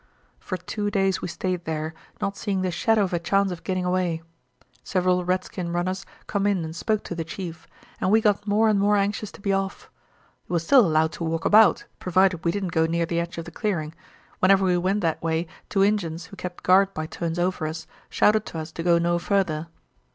"For two days we stayed there, not seeing the shadow of a chance of gitting away. Several redskin runners come in and spoke to the chief, and we got more and more anxious to be off. We was still allowed to walk about, provided we didn't go near the edge of the clearing; whenever we went that way two Injuns, who kept guard by turns over us, shouted to us to go no furder.